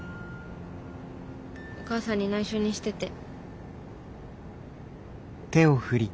お母さんに内緒にしてて。